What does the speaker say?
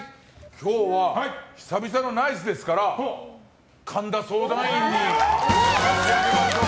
今日は、久々のナイスですから神田相談員に差し上げましょう。